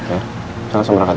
ya allah semoga semuanya lancar